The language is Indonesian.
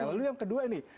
lalu yang kedua ini